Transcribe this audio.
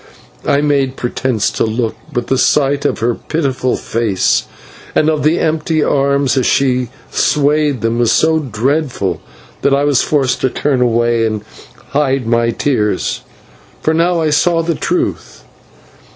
I made pretence to look, but the sight of her pitiful face and of the empty arms, as she swayed them, was so dreadful that I was forced to turn away to hide my tears. Now I saw the truth.